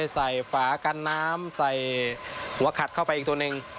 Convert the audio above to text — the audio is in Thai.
ฝากันน้ำใส่หัวขัดเข้าไปอีกตัวหนึ่ง